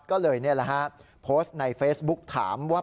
ก็เลยนี่แหละฮะโพสต์ในเฟซบุ๊กถามว่า